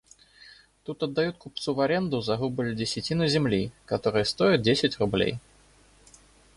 Тут отдают купцу в аренду за рубль десятину земли, которая стоит десять рублей.